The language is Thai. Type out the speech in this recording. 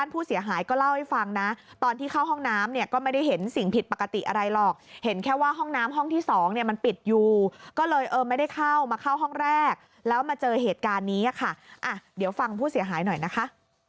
ผู้เสียหายก็เล่าให้ฟังนะตอนที่เข้าห้องน้ำเนี่ยก็ไม่ได้เห็นสิ่งผิดปกติอะไรหรอกเห็นแค่ว่าห้องน้ำห้องที่๒เนี่ยมันปิดอยู่ก็เลยเออไม่ได้เข้ามาเข้าห้องแรกแล้วมาเจอเหตุการณ์นี้ค่ะเดี๋ยวฟังผู้เสียหายหน่อยนะคะ